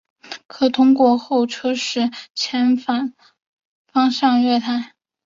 可通过候车室前往反方向月台。